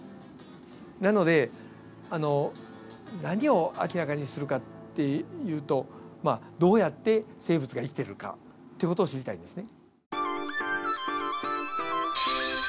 なので何を明らかにするかっていうとどうやって生物が生きてるかっていう事を知りたいんですね。